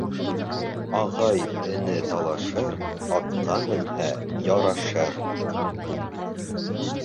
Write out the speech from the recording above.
Ағай-эне талашыр, атҡа менһә, ярашыр.